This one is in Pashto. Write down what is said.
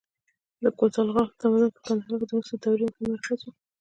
د کوتاه غال تمدن په کندهار کې د مسو د دورې مهم مرکز و